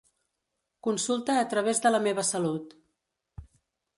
Consulta a través de La meva Salut.